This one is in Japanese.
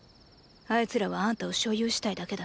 あいつらはあんたを所有したいだけだ。